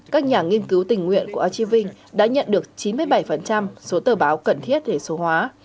các nhà nghiên cứu tình nguyện của archiving đã nhận được chín mươi bảy số tờ báo cần thiết để số hóa